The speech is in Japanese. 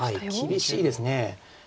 厳しいです。